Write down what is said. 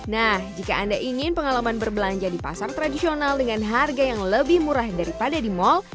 nah jika anda ingin pengalaman berbelanja di pasar tradisional dengan harga yang lebih murah daripada di mal